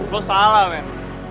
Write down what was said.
lo salah men